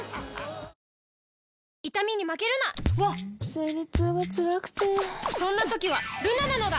生理痛がつらくてそんな時はルナなのだ！